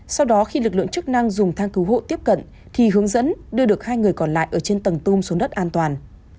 sau đó khi lực lượng chức năng dùng thang cứu hộ tiếp cận thì hướng dẫn đưa được hai người còn lại ở trên tầng tung xuống đất an toàn